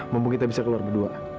mumpung kita bisa keluar berdua